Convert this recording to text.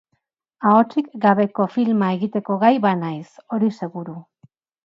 Ahotsik gabeko filma egiteko gai banaiz, hori seguru.